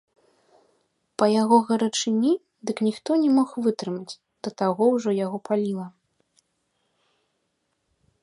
Па яго гарачыні дык ніхто не мог вытрымаць, да таго ўжо яго паліла.